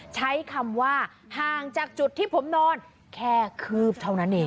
ใช้คำว่าห่างจากจุดที่ผมนอนแค่คืบเท่านั้นเอง